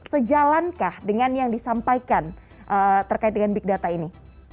sejalankah dengan yang disampaikan terkait dengan big data ini